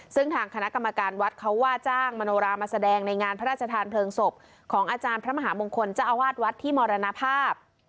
ซึ่งทางคณะกรรมการวัดเขาว่าจ้างมโนรามาแสดงในงานพระราชทานเพลิงศพของอาจารย์พระมหามงคลเจ้าอาวาสวัดที่มรณภาพ